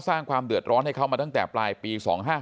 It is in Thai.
สร้างความเดือดร้อนให้เขามาตั้งแต่ปลายปี๒๕๕